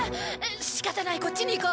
仕方ないこっちに行こう。